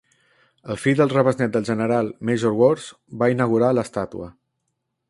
El fill del rebesnét del general major Wards va inaugurar l"estàtua.